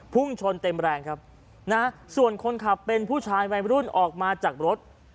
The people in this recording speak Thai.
พุ่งชนเต็มแรงครับนะส่วนคนขับเป็นผู้ชายวัยรุ่นออกมาจากรถ